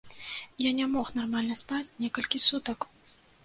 Я не мог нармальна спаць некалькі сутак.